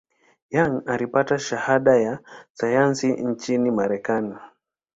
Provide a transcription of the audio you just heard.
Young alipata shahada ya sayansi nchini Marekani.